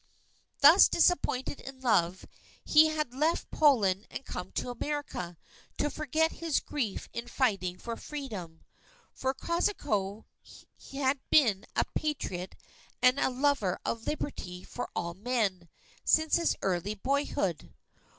Thus disappointed in love, he had left Poland and come to America to forget his grief in fighting for Freedom. For Kosciuszko had been a Patriot and a lover of Liberty for all men, since his early boyhood.